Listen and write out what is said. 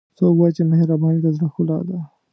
څوک وایي چې مهربانۍ د زړه ښکلا ده